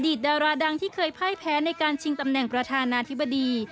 ดาราดังที่เคยพ่ายแพ้ในการชิงตำแหน่งประธานาธิบดี